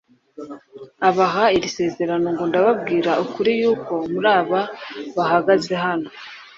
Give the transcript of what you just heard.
abaha iri sezerano ngo: "ndababwira ukuri yuko muri aba bahagaze hano